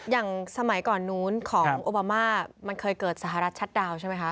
อย่างสมัยก่อนนู้นของโอบามามันเคยเกิดสหรัฐชัดดาวนใช่ไหมคะ